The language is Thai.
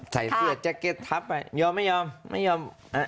ใส่เสื้อแจ็คเก็ตทับยอมไม่ยอมไม่ยอมไม่ยอม